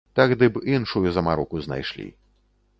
Тагды б іншую замароку знайшлі.